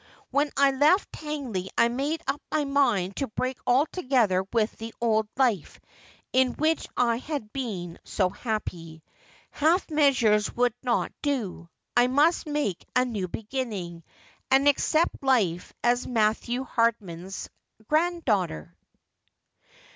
When I left Tangley I made up my mind to break altogether with the old life in which I had been so happy. Half measures would not do. I must make a new beginning, and accept life as Matthew Hard man's granddaughter.'